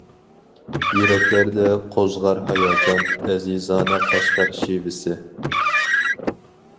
يۈرەكلەردە قوزغار ھاياجان ئەزىزانە قەشقەر شېۋىسى.